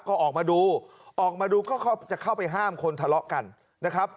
ก็ออกมาดูออกมาดูก็จะเข้าไปห้ามคนทะเลาะกันนะครับ